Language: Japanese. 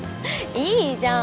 いいじゃん